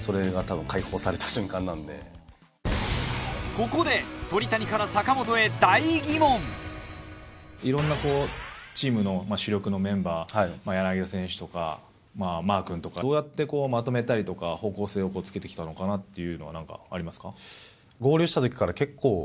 ここでいろんなチームの主力のメンバー柳田選手とかマー君とかどうやってまとめたりとか方向性をつけて来たのかなっていうのは何かありますか？